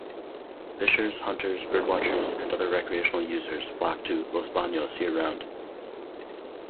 Fishers, hunters, birdwatchers and other recreational users flock to Los Banos year round.